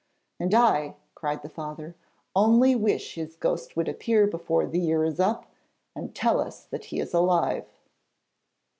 'And I,' cried the father, 'only wish his ghost would appear before the year is up, and tell us that he is alive.'